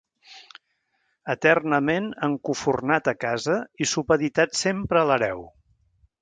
Eternament encofurnat a casa i supeditat sempre a l'hereu.